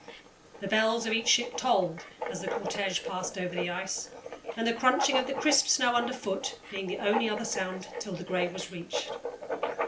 The bells of each ship tolled as the cortège passed over the ice, the crunching of the crisp snow under foot being the only other sound till the grave was reached.